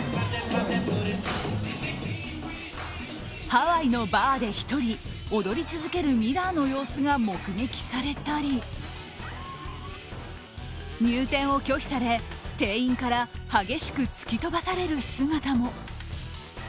ハワイのバーで１人、踊り続けるミラーの様子が目撃されたり入店を拒否され店員から激しく突き飛ばされる姿も。